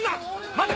待て！